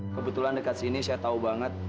kebetulan dekat sini saya tahu banget